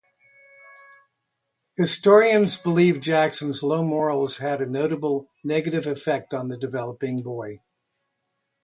Historians believe Jackson's low morals had a notable negative effect on the developing boy.